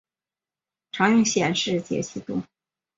常用显示解析度